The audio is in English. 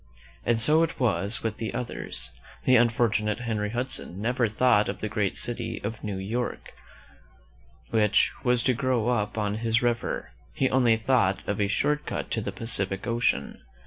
And so it was with the others. The unfortunate Henry Hudson never thought of the great city of New York, which was to grow up on his river; he only thought of a short cut to the Pacific Ocean.